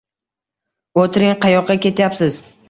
O`tiring, qayoqqa ketyapsiz